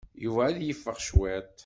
Yuba ad yeffeɣ cwiṭ.